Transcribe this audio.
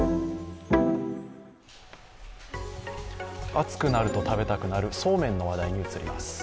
暑くなると食べたくなるそうめんの話題に移ります。